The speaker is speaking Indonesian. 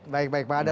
baik baik pak hadar